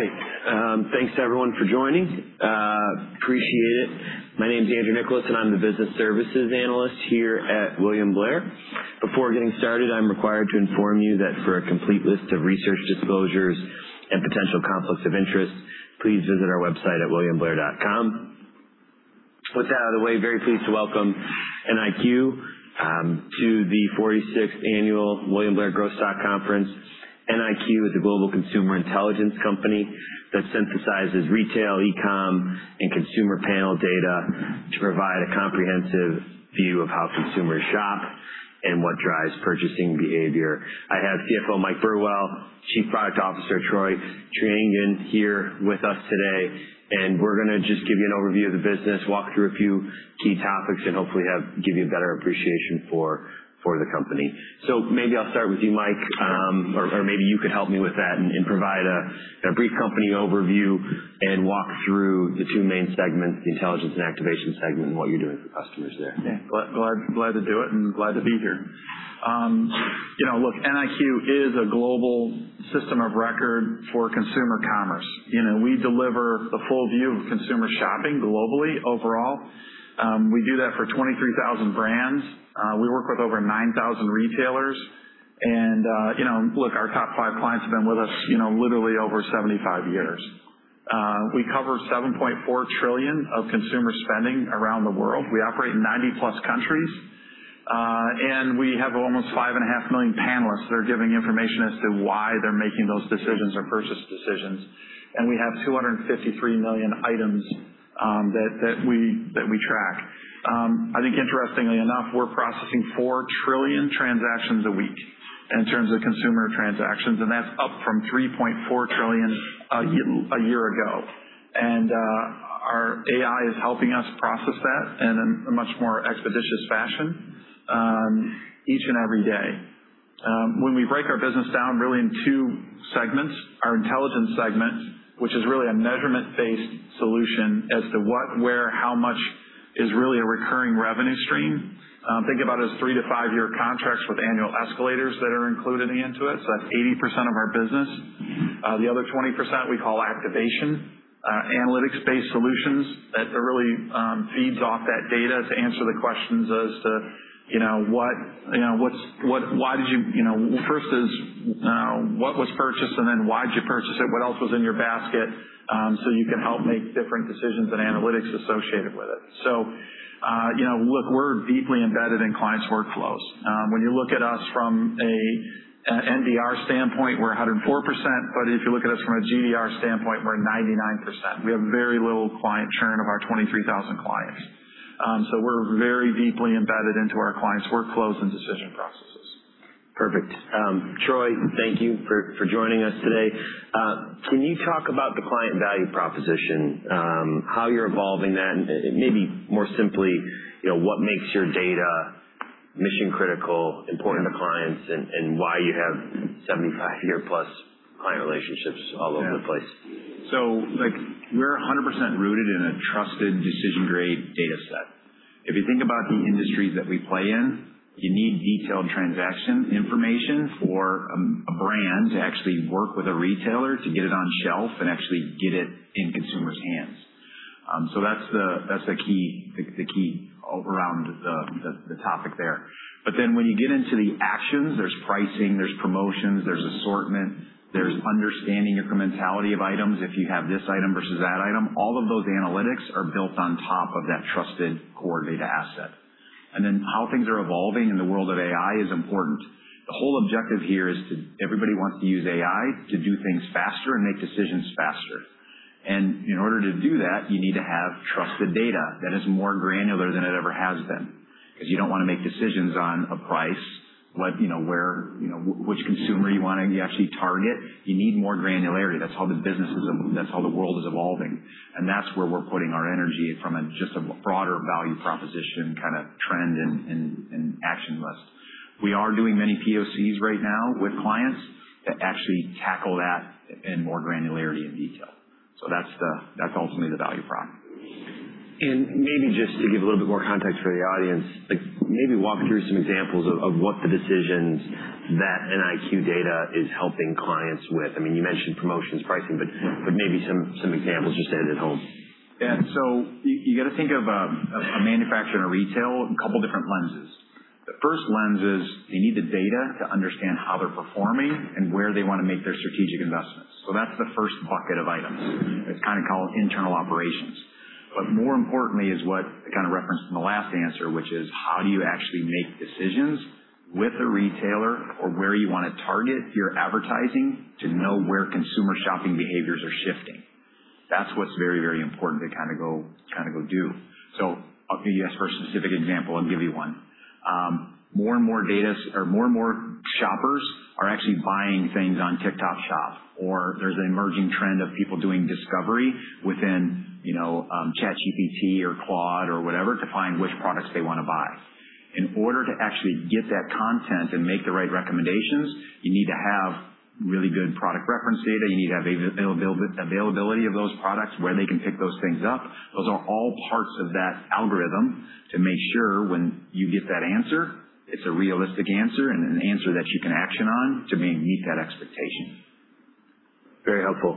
All right. Thanks everyone for joining. Appreciate it. My name is Andrew Nicholas. I'm the Business Services Analyst here at William Blair. Before getting started, I'm required to inform you that for a complete list of research disclosures and potential conflicts of interest, please visit our website at williamblair.com. With that out of the way, very pleased to welcome NIQ to the 46th Annual William Blair Growth Stock Conference. NIQ is a global consumer intelligence company that synthesizes retail, e-com, and consumer panel data to provide a comprehensive view of how consumers shop and what drives purchasing behavior. I have CFO Mike Burwell, Chief Product Officer Troy Treangen here with us today, we're going to just give you an overview of the business, walk through a few key topics, and hopefully give you a better appreciation for the company. Maybe I'll start with you, Mike, or maybe you could help me with that and provide a brief company overview and walk through the two main segments, the Intelligence and Activation segment, and what you're doing for customers there. Yeah. Glad to do it and glad to be here. Look, NIQ is a global system of record for consumer commerce. We deliver the full view of consumer shopping globally overall. We do that for 23,000 brands. We work with over 9,000 retailers. Look, our top five clients have been with us literally over 75 years. We cover $7.4 trillion of consumer spending around the world. We operate in +90 countries. We have almost five and a half million panelists that are giving information as to why they're making those decisions or purchase decisions. We have 253 million items that we track. I think, interestingly enough, we're processing 4 trillion transactions a week in terms of consumer transactions, and that's up from 3.4 trillion a year ago. Our AI is helping us process that in a much more expeditious fashion each and every day. When we break our business down really into two segments, our intelligence segment, which is really a measurement-based solution as to what, where, and how much, is really a recurring revenue stream. Think about it as three- to five-year contracts with annual escalators that are included in them. That's 80% of our business. The other 20% we call activation. Analytics-based solutions that really feed off that data to answer the questions as to first what was purchased and then why you purchased it and what else was in your basket so you can help make different decisions and analytics associated with it. Look, we're deeply embedded in clients' workflows. When you look at us from an NDR standpoint, we're 104%, but if you look at us from a GDR standpoint, we're 99%. We have very little client churn of our 23,000 clients. We're very deeply embedded into our clients' workflows and decision processes. Perfect. Troy, thank you for joining us today. Can you talk about the client value proposition, how you're evolving that, and maybe more simply, what makes your data mission critical and important to clients, and why you have +75-year client relationships all over the place? Yeah. Look, we're 100% rooted in a trusted decision-grade data set. If you think about the industries that we play in, you need detailed transaction information for a brand to actually work with a retailer to get it on the shelf and actually get it in consumers' hands. That's the key around the topic there. When you get into the actions, there's pricing, there's promotions, there's assortment, and there's understanding the incrementality of items if you have this item versus that item. All of those analytics are built on top of that trusted core data asset. How things are evolving in the world of AI is important. The whole objective here is everybody wants to use AI to do things faster and make decisions faster. In order to do that, you need to have trusted data that is more granular than it ever has been. Because you don't want to make decisions on a price, which consumer you want to actually target. You need more granularity. That's how the world is evolving, and that's where we're putting our energy from just a broader value proposition kind of trend and action list. We are doing many POCs right now with clients that actually tackle that in more granularity and detail. That's ultimately the value prop. Maybe just to give a little bit more context for the audience, maybe walk through some examples of what the decisions that NIQ data is helping clients with. You mentioned promotions and pricing; maybe some examples just to hit it home. You have to think of a manufacturer and a retailer in a couple of different lenses. The first lens is you need the data to understand how they're performing and where they want to make their strategic investments. That's the first bucket of items. It's kind of called internal operations. More importantly is what I kind of referenced in the last answer, which is how do you actually make decisions with a retailer or where you want to target your advertising to know where consumer shopping behaviors are shifting. That's what's very, very important to go do. If you ask for a specific example, I'll give you one. More and more shoppers are actually buying things on TikTok Shop, or there's an emerging trend of people doing discovery within ChatGPT or Claude or whatever to find which products they want to buy. In order to actually get that content and make the right recommendations, you need to have really good product reference data. You need to have availability of those products, where they can pick those things up. Those are all parts of that algorithm to make sure when you get that answer, it's a realistic answer and an answer that you can act on to meet that expectation. Very helpful.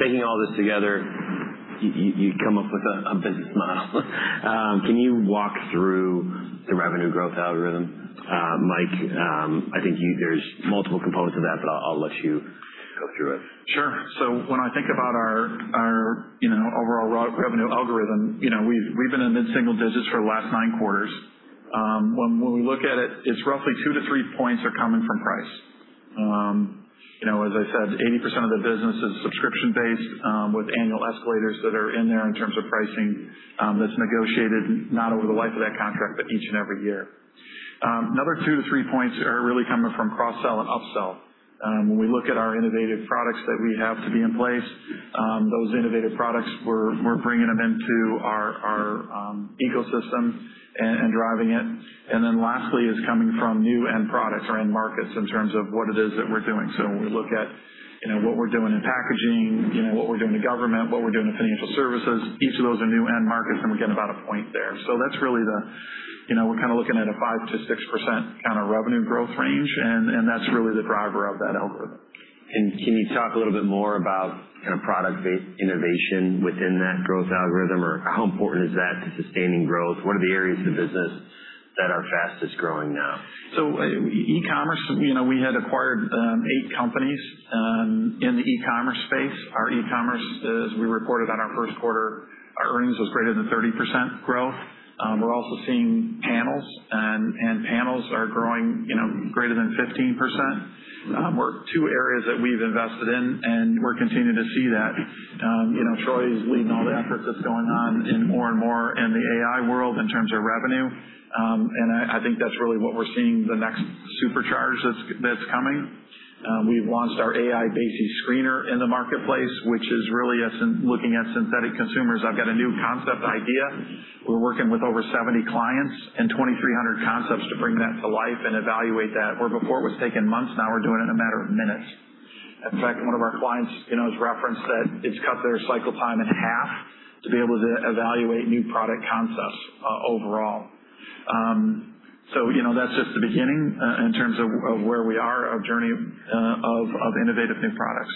Taking all this together, you come up with a business model. Can you walk through the revenue growth algorithm? Mike, I think there are multiple components to that, but I'll let you go through it. Sure. When I think about our overall revenue algorithm, we've been in mid-single-digits for the last nine quarters. When we look at it, roughly two to three points are coming from price. As I said, 80% of the business is subscription-based with annual escalators that are in there in terms of pricing that's negotiated not over the life of that contract but each and every year. Another two to three points are really coming from cross-sell and upsell. When we look at our innovative products that we have to be in place, those innovative products, we're bringing them into our ecosystem and driving it. Lastly, it is coming from new-end products or end markets in terms of what it is that we're doing. When we look at what we're doing in packaging, what we're doing in government, and what we're doing in financial services, each of those are new end markets, and we get about a point there. We're looking at a 5%-6% kind of revenue growth range, and that's really the driver of that algorithm. Can you talk a little bit more about the kind of product-based innovation within that growth algorithm, or how important is that to sustaining growth? What are the areas of the business that are fastest growing now? E-commerce: we had acquired eight companies in the e-commerce space. Our e-commerce, as we reported on our first quarter earnings, was greater than 30% growth. We're also seeing panels, and panels are growing greater than 15%. Were two areas that we've invested in, and we're continuing to see that. Troy is leading all the efforts that's going on more and more in the AI world in terms of revenue. I think that's really what we're seeing, the next supercharge that's coming. We've launched our BASES AI Screener in the marketplace, which is really looking at synthetic consumers. I've got a new concept idea. We're working with over 70 clients and 2,300 concepts to bring that to life and evaluate that. Where before it was taking months, now we're doing it in a matter of minutes. In fact, one of our clients has referenced that it's cut their cycle time in half to be able to evaluate new product concepts overall. That's just the beginning in terms of where we are, our journey of innovative new products.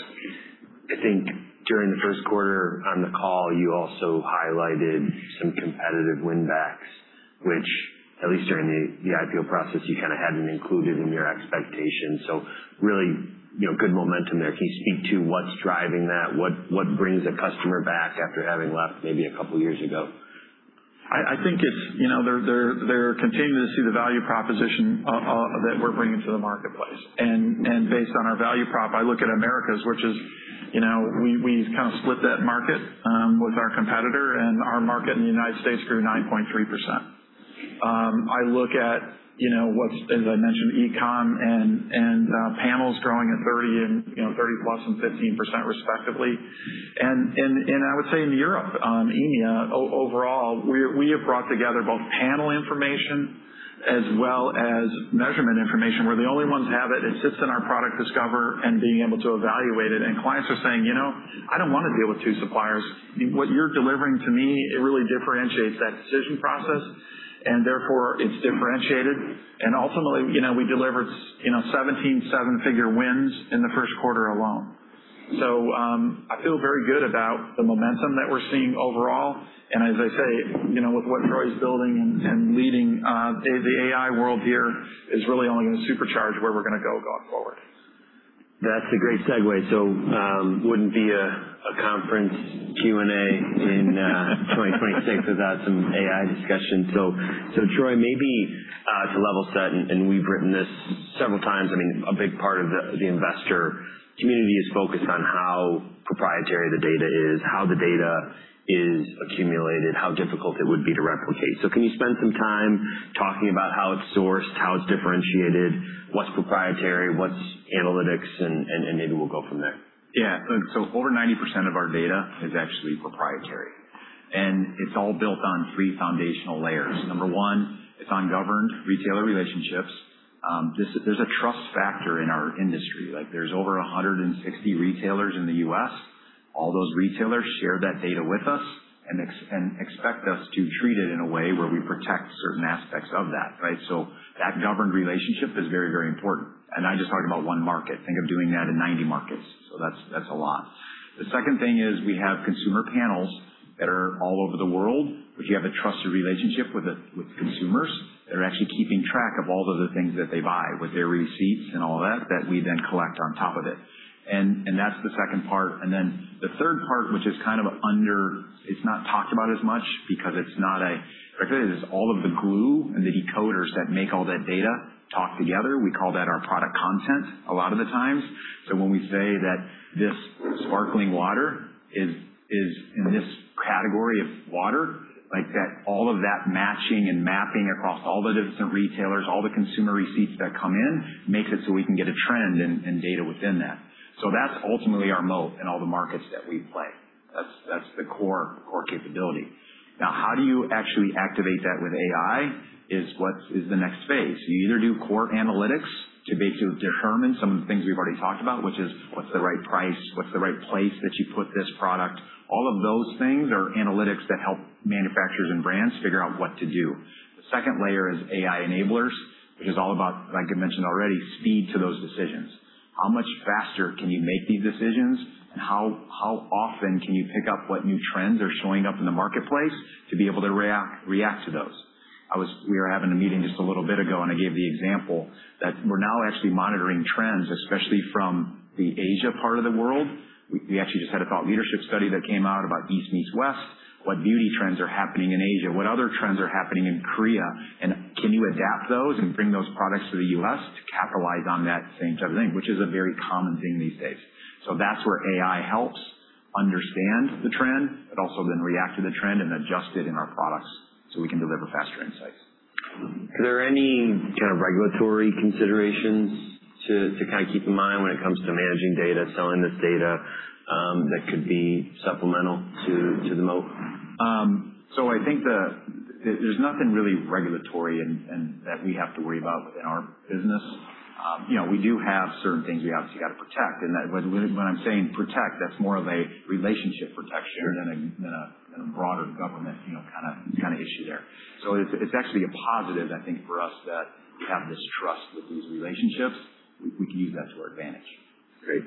I think during the first quarter on the call, you also highlighted some competitive win backs, which at least during the IPO process, you kind of hadn't included in your expectations. Really good momentum there. Can you speak to what's driving that? What brings a customer back after having left maybe a couple of years ago? I think they're continuing to see the value proposition that we're bringing to the marketplace. Based on our value prop, I look at the Americas, which we kind of split that market with our competitor, our market in the United States grew 9.3%. I look at what's, as I mentioned, e-com and panels growing at 30% and less than 15%, respectively. I would say in Europe, EMEA overall, we have brought together both panel information and measurement information. We're the only ones that have it. It sits in our NIQ Discover and is able to be evaluated. Clients are saying, I don't want to deal with two suppliers. What you're delivering to me, it really differentiates that decision process. Therefore, it's differentiated. Ultimately, we delivered 17 seven-figure wins in the first quarter alone. I feel very good about the momentum that we're seeing overall. As I say, with what Troy's building and leading, the AI world here is really only going to supercharge where we're going to go going forward. That's a great segue. It wouldn't be a conference Q&A in 2026 without some AI discussion. Troy, maybe to level set, and we've written this several times. I mean, a big part of the investor community is focused on how proprietary the data is, how the data is accumulated, and how difficult it would be to replicate. Can you spend some time talking about how it's sourced, how it's differentiated, what's proprietary, and what's analytics, and maybe we'll go from there? Yeah. Over 90% of our data is actually proprietary, and it's all built on three foundational layers. Number one, it's on governed retailer relationships. There's a trust factor in our industry. There are over 160 retailers in the U.S. All those retailers share that data with us and expect us to treat it in a way where we protect certain aspects of that, right? That governed relationship is very, very important. I just talked about one market. Think of doing that in 90 markets. That's a lot. The second thing is we have consumer panels that are all over the world, which you have a trusted relationship with consumers that are actually keeping track of all those other things that they buy with their receipts and all that we then collect on top of it. That's the second part. The third part, which is kind of under, is not talked about as much because, like I said, it is all of the glue and the decoders that make all that data talk together. We call that our product content a lot of the times. When we say that this sparkling water is in this category of water, all of that matching and mapping across all the different retailers and all the consumer receipts that come in makes it so we can get a trend and data within that. That's ultimately our moat in all the markets that we play. That's the core capability. How do you actually activate that with AI is what is the next phase. You either do core analytics to basically determine some of the things we've already talked about, which is what's the right price, what's the right place that you put this product. All of those things are analytics that help manufacturers and brands figure out what to do. The second layer is AI enablers, which is all about, like I mentioned already, speed to those decisions. How much faster can you make these decisions, and how often can you pick up what new trends are showing up in the marketplace to be able to react to those? We were having a meeting just a little bit ago, and I gave the example that we're now actually monitoring trends, especially from the Asia part of the world. We actually just had a thought leadership study that came out about East Meets West, what beauty trends are happening in Asia, what other trends are happening in Korea, and can you adapt those and bring those products to the U.S. to capitalize on that same type of thing, which is a very common thing these days. That's where AI helps understand the trend but also then reacts to the trend and adjusts it in our products so we can deliver faster insights. Are there any kinds of regulatory considerations to keep in mind when it comes to managing data, selling this data, that could be supplemental to the moat? I think there's nothing really regulatory that we have to worry about within our business. We do have certain things we obviously have to protect, and when I'm saying protect, that's more of a relationship protection than a broader government kind of issue there. It's actually a positive, I think, for us that we have this trust with these relationships. We can use that to our advantage. Great.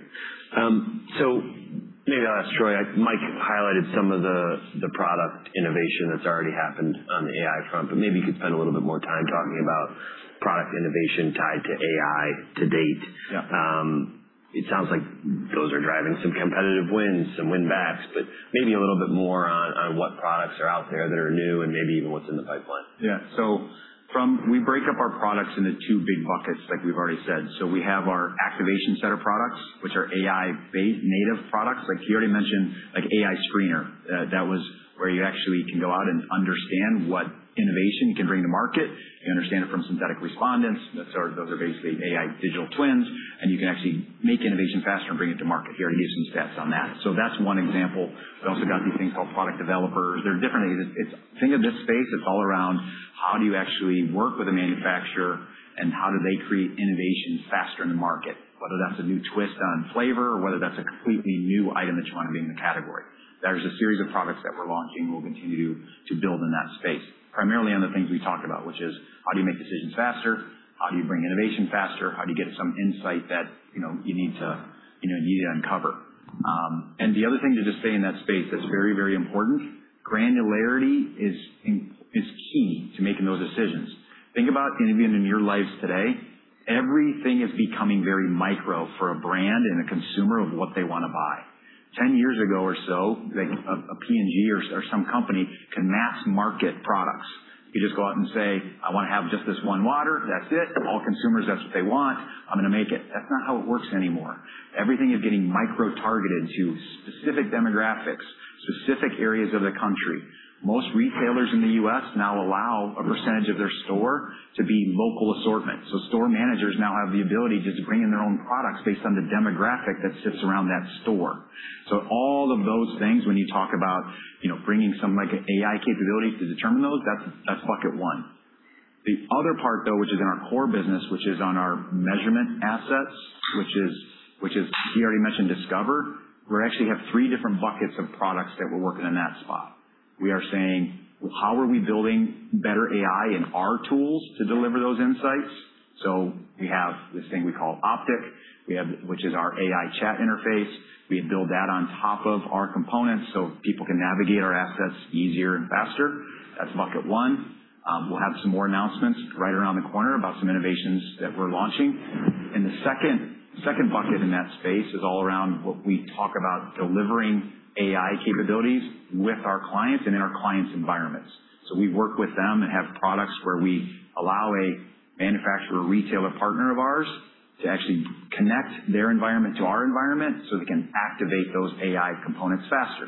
Maybe I'll ask Troy. Mike highlighted some of the product innovation that's already happened on the AI front, but maybe you could spend a little bit more time talking about product innovation tied to AI to date. Yeah. It sounds like those are driving some competitive wins, some win backs, but maybe a little bit more on what products are out there that are new and maybe even what's in the pipeline. Yeah. We break up our products into two big buckets, like we've already said. We have our activation set of products, which are AI native products. Like he already mentioned, like AI Screener. That was where you actually could go out and understand what innovation could bring to market. You understand it from synthetic respondents. Those are basically AI digital twins, and you can actually make innovation faster and bring it to market. He already gave some stats on that. That's one example. We've also got these things called product developers. Think of this space, it's all around how do you actually work with a manufacturer and how do they create innovation faster in the market, whether that's a new twist on flavor or whether that's a completely new item that you want to bring in the category. There's a series of products that we're launching, we'll continue to build in that space, primarily on the things we talked about, which are how do you make decisions faster, how do you bring innovation faster, and how do you get some insight that you need to uncover. The other thing to just say in that space that's very important is that granularity is key to making those decisions. Think about it: even in your lives today, everything is becoming very micro for a brand and a consumer of what they want to buy. 10 years ago or so, a P&G or some company could mass market products. You just go out and say, I want to have just this one water. That's it. All consumers, that's what they want. I'm going to make it. That's not how it works anymore. Everything is getting micro-targeted to specific demographics and specific areas of the country. Most retailers in the U.S. now allow a percentage of their store to be local assortment. Store managers now have the ability just to bring in their own products based on the demographic that sits around that store. All of those things, when you talk about bringing some AI capability to determine those, that's bucket one. The other part, though, which is in our core business, which is on our measurement assets, is already mentioned in Discover. We actually have three different buckets of products that we're working on in that spot. We are saying, how are we building better AI in our tools to deliver those insights? We have this thing we call OPTIC, which is our AI chat interface. We build that on top of our components so people can navigate our assets easier and faster. That's bucket one. We'll have some more announcements right around the corner about some innovations that we're launching. The second bucket in that space is all around what we talk about delivering AI capabilities with our clients and in our clients' environments. We work with them and have products where we allow a manufacturer retailer partner of ours to actually connect their environment to our environment so they can activate those AI components faster.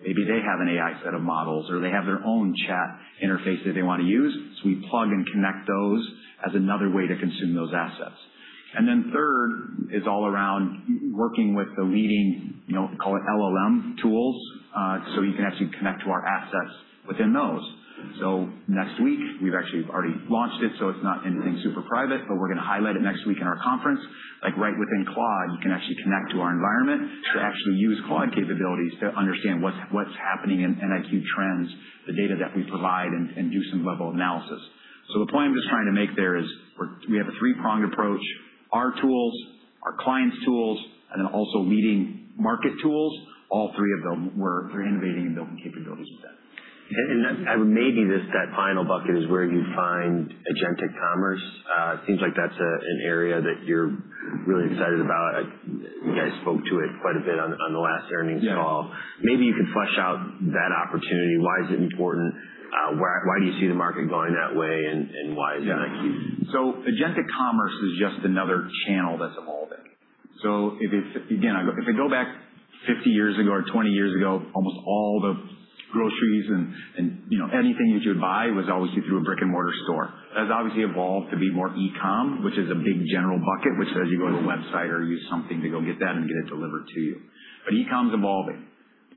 Maybe they have an AI set of models, or they have their own chat interface that they want to use. We plug and connect those as another way to consume those assets. Third is all around working with the leading, call it LLM tools, so you can actually connect to our assets within those. Next week, we've actually already launched it, so it's not anything super private, but we're going to highlight it next week in our conference. Right within Claude, you can actually connect to our environment to actually use Claude capabilities to understand what's happening in NIQ trends, the data that we provide, and do some level of analysis. The point I'm just trying to make there is we have a three-pronged approach. Our tools, our clients' tools, and then also leading market tools. All three of them are innovating and building capabilities with that. Maybe that final bucket is where you find agentic commerce. It seems like that is an area that you are really excited about. You guys spoke to it quite a bit on the last earnings call. Yeah. Maybe you could flesh out that opportunity. Why is it important? Why do you see the market going that way, and why is it NIQ? Agentic commerce is just another channel that's evolving. Again, if I go back 50 years ago or 20 years ago, almost all the groceries and anything that you would buy was always through a brick-and-mortar store. That's obviously evolved to be more e-com, which is a big general bucket that says you go to a website or use something to go get that and get it delivered to you. E-commerce is evolving.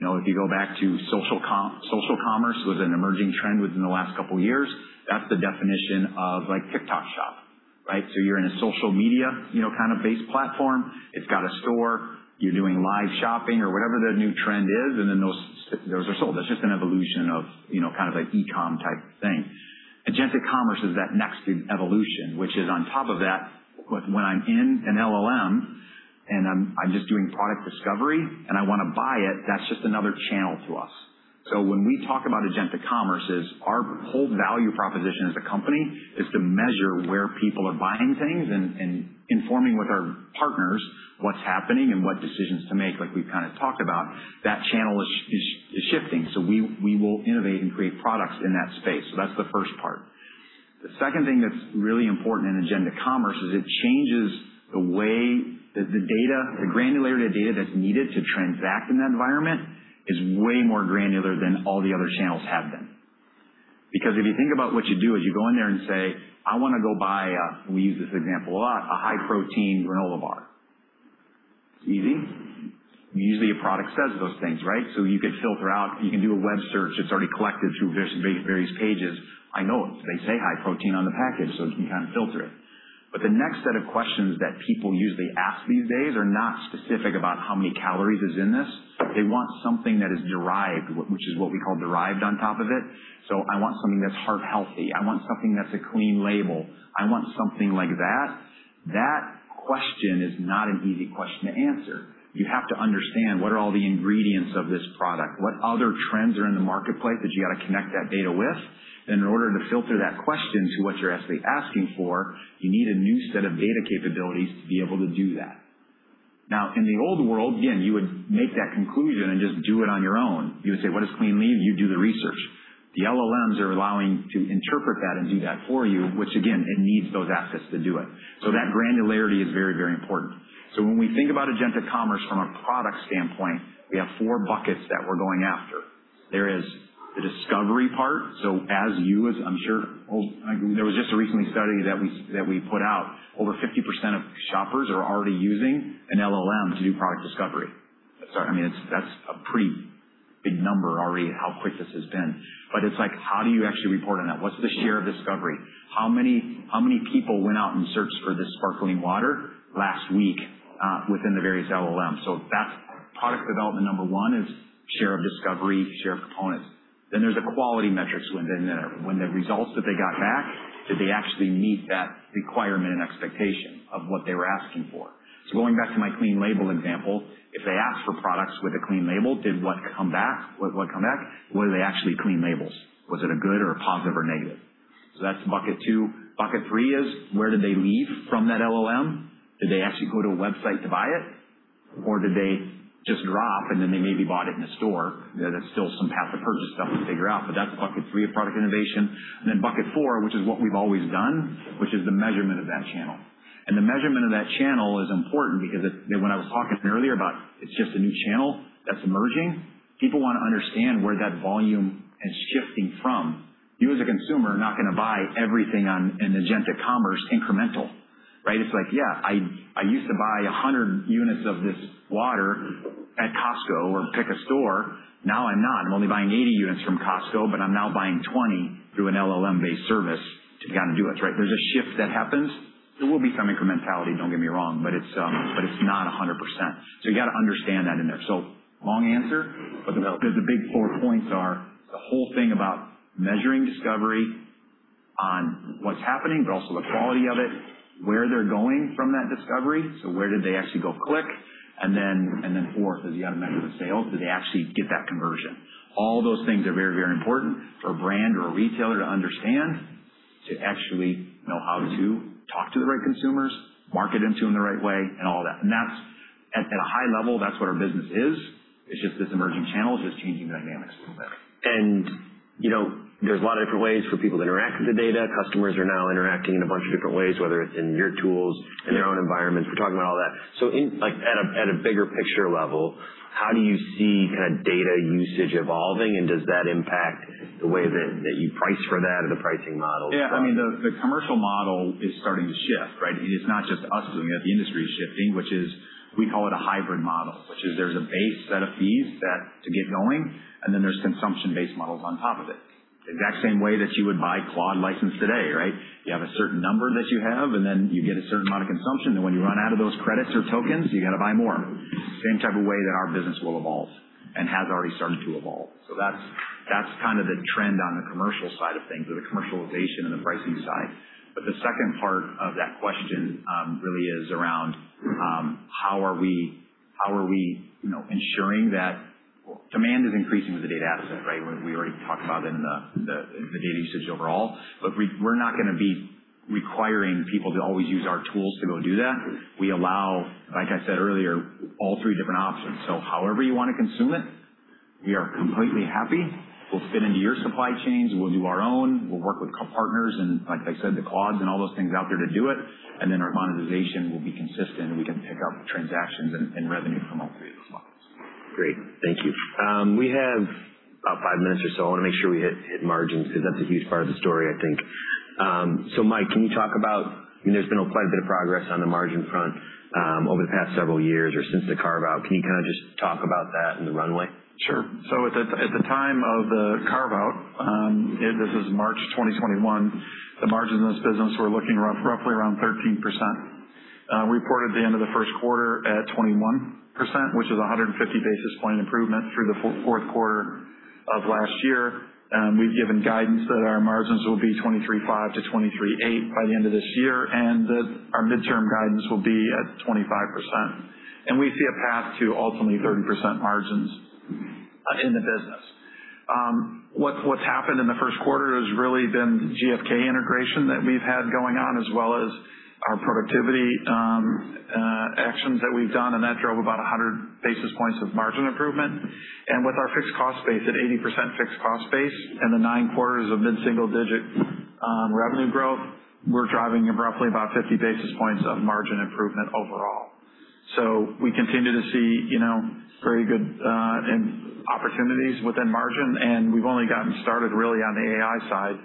If you go back, social commerce was an emerging trend within the last couple of years. That's the definition of TikTok Shop. Right? You're in a social media-based kind of platform. It's got a store. You're doing live shopping or whatever the new trend is, and then those are sold. That's just an evolution of kind of an e-com type thing. Agentic commerce is that next big evolution, which is on top of that, when I'm in an LLM, and I'm just doing product discovery, and I want to buy it, that's just another channel to us. When we talk about agentic commerce is our whole value proposition as a company is to measure where people are buying things and informing with our partners what's happening and what decisions to make, like we've kind of talked about. That channel is shifting. We will innovate and create products in that space. That's the first part. The second thing that's really important in agentic commerce is that it changes the way that the data, the granularity of data that's needed to transact in that environment, is way more granular than all the other channels have been. If you think about what you do, you go in there and say, I want to go buy a, we use this example a lot, a high-protein granola bar. It's easy. Usually, a product says those things, right? You could filter it out, you can do a web search. It's already collected through various pages. I know it. They say high protein on the package, you can kind of filter it. The next set of questions that people usually ask these days are not specific about how many calories is in this. They want something that is derived, which is what we call derived on top of it. I want something that's heart healthy. I want something that's a clean label. I want something like that. That question is not an easy question to answer. You have to understand what all the ingredients of this product are and what other trends are in the marketplace that you have to connect that data with. In order to filter that question to what you're actually asking for, you need a new set of data capabilities to be able to do that. In the old world, again, you would make that conclusion and just do it on your own. You would say, What is clean label? You do the research. The LLMs are allowed to interpret that and do that for you, which again, needs those assets to do it. That granularity is very important. When we think about agentic commerce from a product standpoint, we have four buckets that we're going after. There is the discovery part. There was just a recent study that we put out. Over 50% of shoppers are already using an LLM to do product discovery. Sorry. That's a pretty big number already at how quick this has been. It's like, how do you actually report on that? What's the share of discovery? How many people went out and searched for this sparkling water last week, within the various LLMs? That's product development number one: share of discovery, share of components. There's the quality metrics when the results that they got back, did they actually meet that requirement and expectation of what they were asking for? Going back to my clean label example, if they asked for products with a clean label, what came back? were they actually clean labels? Was it a good or a positive or negative? That's bucket two. Bucket three is where did they leave from that LLM? Did they actually go to a website to buy it? Did they just drop it, and then maybe they bought it in a store? There's still some path to purchase stuff to figure out, but that's bucket three of product innovation. Then bucket four, which is what we've always done, which is the measurement of that channel. The measurement of that channel is important because when I was talking earlier about it's just a new channel that's emerging, people want to understand where that volume is shifting from. You, as a consumer, are not going to buy everything incrementally in agentic commerce. Right? It's like, yeah, I used to buy 100 units of this water at Costco or pick a store. Now I'm not. I'm only buying 80 units from Costco, but I'm now buying 20 through an LLM-based service to kind of do it, right? There's a shift that happens. There will be some incrementality, don't get me wrong, but it's not 100%. You have to understand that in there. Long answer, but the big four points are the whole thing about measuring discovery on what's happening, but also the quality of it, where they're going from that discovery. Where did they actually go click, and then fourth, did you have a measurement of sale? Did they actually get that conversion? All those things are very important for a brand or a retailer to understand, to actually know how to talk to the right consumers, market to them the right way, and all that. At a high level, that's what our business is. It's just this emerging channel is just changing the dynamics a little bit. There are a lot of different ways for people to interact with the data. Customers are now interacting in a bunch of different ways, whether it's in your tools or in their own environments. We're talking about all that. At a bigger picture level, how do you see data usage evolving, and does that impact the way that you price for that or the pricing model? Yeah. The commercial model is starting to shift, right? It's not just us doing it. The industry is shifting, we call it a hybrid model, there's a base set of fees to get going, then there's consumption-based models on top of it. Exact same way that you would buy a Claude license today, right? You have a certain number that you have, and then you get a certain amount of consumption, when you run out of those credits or tokens, you have to buy more. Same type of way that our business will evolve and has already started to evolve. That's kind of the trend on the commercial side of things or the commercialization and the pricing side. The second part of that question really is around how we are ensuring that demand is increasing with the data asset, right? We already talked about in the data usage overall, but we're not going to be requiring people to always use our tools to go do that. We allow, like I said earlier, all three different options. However you want to consume it, we are completely happy. We'll fit into your supply chains. We'll do our own. We'll work with partners and, like I said, the Claudes and all those things out there to do it, and then our monetization will be consistent, and we can pick up transactions and revenue from all three of those models. Great. Thank you. We have about five minutes or so. I want to make sure we hit margins because that's a huge part of the story, I think. Mike, there's been quite a bit of progress on the margin front over the past several years or since the carve-out. Can you kind of just talk about that and the runway? At the time of the carve-out, this is March 2021, the margins in this business were looking roughly around 13%. Reported the end of the first quarter at 21%, which is a 150 basis point improvement through the fourth quarter of last year. We've given guidance that our margins will be 23.5%-23.8% by the end of this year and that our midterm guidance will be at 25%. We see a path to ultimately 30% margins in the business. What's happened in the first quarter has really been GfK integration that we've had going on, as well as our productivity actions that we've done, and that drove about 100 basis points of margin improvement. With our fixed cost base at 80% and the nine quarters of mid-single-digit revenue growth, we're driving roughly about 50 basis points of margin improvement overall. We continue to see very good opportunities within margin, and we've only gotten started really on the AI side.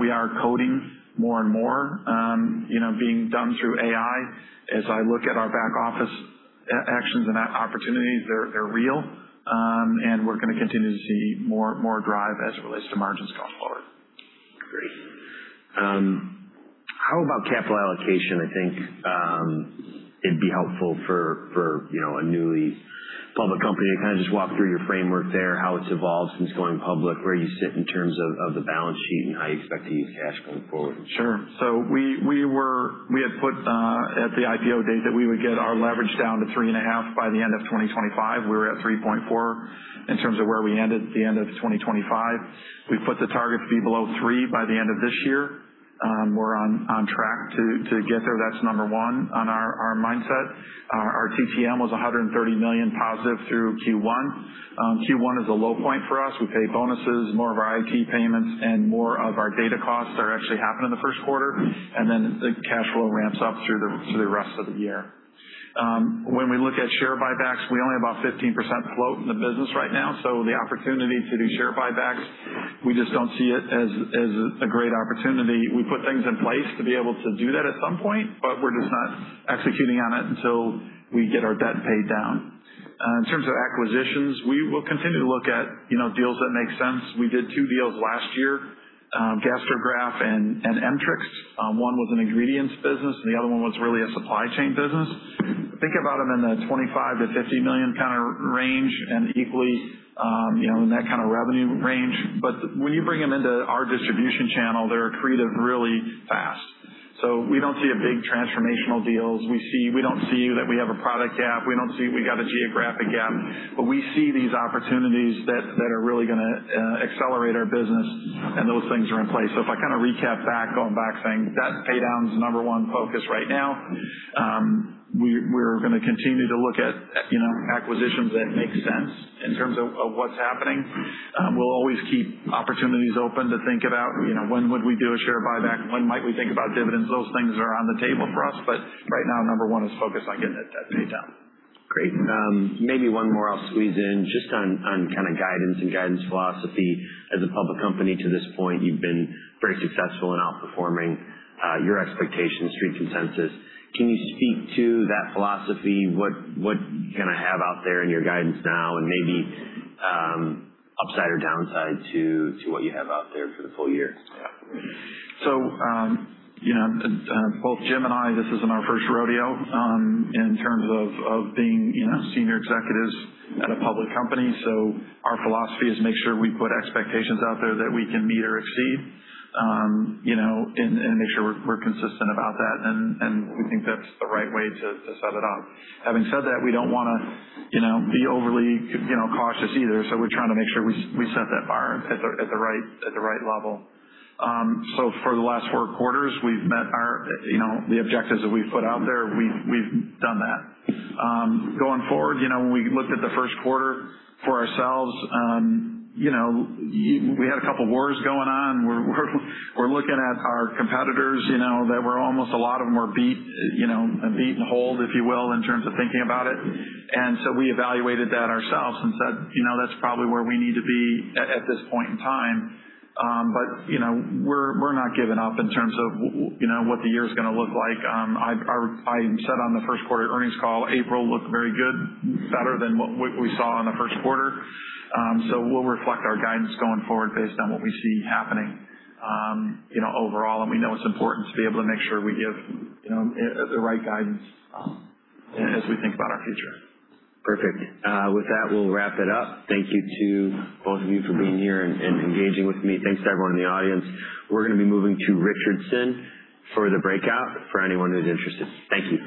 We are coding more and more, being done through AI. As I look at our back-office actions and opportunities, they're real, and we're going to continue to see more drive as it relates to margins going forward. Great. How about capital allocation? I think it would be helpful for a newly public company to just walk through your framework there, how it has evolved since going public, where you sit in terms of the balance sheet, and how you expect to use cash going forward. Sure. We had put at the IPO date that we would get our leverage down to 3.5 by the end of 2025. We were at 3.4 in terms of where we ended at the end of 2025. We put the target to be below three by the end of this year. We're on track to get there. That's number one on our mindset. Our TPM was $130 million positive through Q1. Q1 is a low point for us. We pay bonuses, more of our IT payments, and more of our data costs are actually happening in the first quarter. The cash flow ramps up through the rest of the year. When we look at share buybacks, we only have about 15% float in the business right now. The opportunity to do share buybacks, we just don't see it as a great opportunity. We put things in place to be able to do that at some point, but we're just not executing on it until we get our debt paid down. In terms of acquisitions, we will continue to look at deals that make sense. We did two deals last year, Gastrograph and Mtrix. One was an ingredients business, and the other one was really a supply chain business. Think about them in the $25 million-$50 million range and equally in that kind of revenue range. When you bring them into our distribution channel, they're accretive really fast. We don't see big transformational deals. We don't see that we have a product gap. We don't see we got a geographic gap. We see these opportunities that are really going to accelerate our business, and those things are in place. If I recap back, going back, saying debt paydown is the number one focus right now. We're going to continue to look at acquisitions that make sense in terms of what's happening. We'll always keep opportunities open to think about when we would do a share buyback. When might we think about dividends? Those things are on the table for us right now, number one is focused on getting that debt paid down. Great. Maybe one more I'll squeeze in just on guidance and guidance philosophy. As a public company, to this point, you've been very successful in outperforming your expectations and street consensus. Can you speak to that philosophy? What kind of guidance do you have out there now, and maybe an upside or downside to what you have out there for the full year? Yeah. Both Jim and I, this isn't our first rodeo in terms of being senior executives at a public company. Our philosophy is to make sure we put expectations out there that we can meet or exceed and make sure we're consistent about that. We think that's the right way to set it up. Having said that, we don't want to be overly cautious either. We're trying to make sure we set that bar at the right level. For the last four quarters, we've met the objectives that we've put out there. We've done that. Going forward, when we looked at the first quarter for ourselves, we had a couple of wars going on. We're looking at our competitors, and we're almost a lot of them are beat and hold, if you will, in terms of thinking about it. We evaluated that ourselves and said, That's probably where we need to be at this point in time. We're not giving up in terms of what the year is going to look like. I said on the first quarter earnings call, April looked very good, better than what we saw in the first quarter. We'll reflect our guidance going forward based on what we see happening overall. We know it's important to be able to make sure we give the right guidance as we think about our future. Perfect. With that, we'll wrap it up. Thank you to both of you for being here and engaging with me. Thanks to everyone in the audience. We're going to be moving to Richardson for the breakout for anyone who's interested. Thank you.